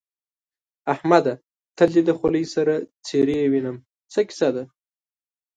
احمده! تل دې د خولۍ سر څيرې وينم؛ څه کيسه ده؟